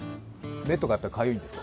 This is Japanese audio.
目とかやっぱりかゆいんですか？